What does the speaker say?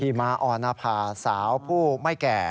ม้าออนภาสาวผู้ไม่แก่